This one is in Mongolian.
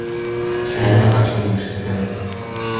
Шөнө яагаа ч үгүй эрт байна.